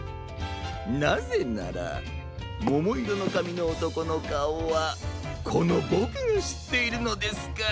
なぜならももいろのかみのおとこのかおはこのボクがしっているのですから。